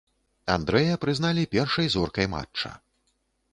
Андрэя прызналі першай зоркай матча.